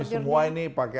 kami semua ini pakai